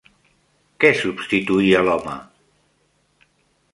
Què substituïa l'home?